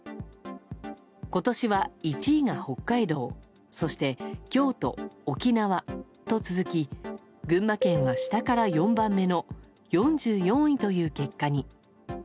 今年は、１位が北海道そして京都、沖縄と続き群馬県は下から４番目の４４位という結果に。